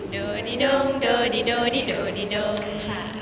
โดดีโดงโดดีโดดีโดดีโดง